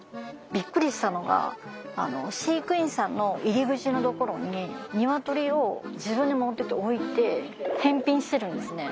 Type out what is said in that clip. びっくりしたのが飼育員さんの入り口のところにニワトリを自分で持っていって置いて返品してるんですね。